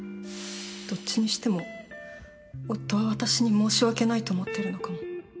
どっちにしても夫は私に申し訳ないと思ってるのかも